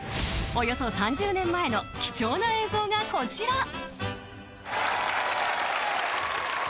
およそ３０年前の貴重な映像がこちら。